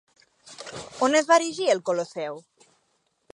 On es va erigir el Colosseu?